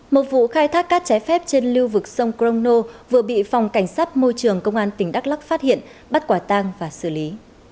một vụ khai thác cát trái phép trên lưu vực sông crono vừa bị phòng cảnh sát môi trường công an tỉnh đắk lắc phát hiện bắt quả tang và xử lý